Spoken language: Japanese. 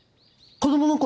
子供の頃？